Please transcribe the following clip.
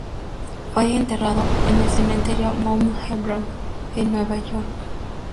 Fue enterrado en el Cementerio Mount Hebron, en Nueva York.